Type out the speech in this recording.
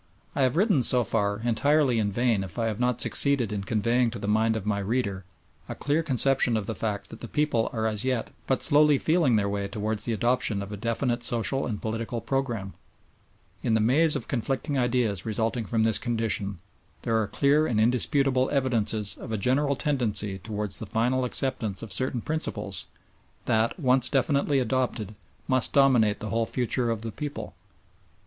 I have written, so far, entirely in vain if I have not succeeded in conveying to the mind of my reader a clear conception of the fact that the people are as yet but slowly feeling their way towards the adoption of a definite social and political programme. In the maze of conflicting ideas resulting from this condition there are clear and indisputable evidences of a general tendency towards the final acceptance of certain principles that, once definitely adopted, must dominate the whole future of the people.